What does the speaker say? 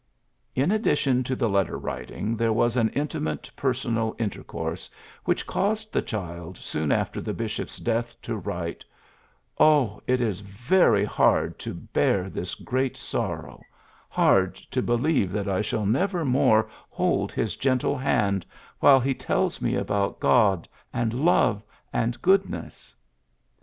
^' In addition to the letter writing there was an intimate personal intercourse, which caused the child soon after the bishop's death to write, '^Oh, it is very hard to bear this great sorrow, hard to believe that I shall never more hold his gentle hand while he tells me about God and love and goodness."